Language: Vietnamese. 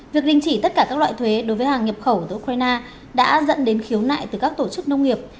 việc đình chỉ tất cả các loại thuế đối với hàng nhập khẩu từ ukraine đã dẫn đến khiếu nại từ các tổ chức nông nghiệp